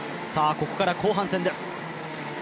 ここから後半戦です。